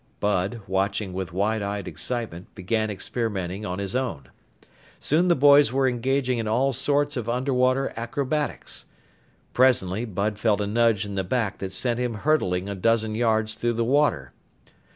Bud, watching with wide eyed excitement, began experimenting on his own. Soon the boys were engaging in all sorts of underwater acrobatics. Presently Bud felt a nudge in the back that sent him hurtling a dozen yards through the water.